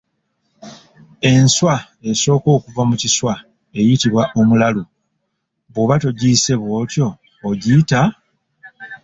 Enswa esooka okuva mu kiswa eyitibwa “omulalu”, bw'oba togiyise bw'otyo ogiyita?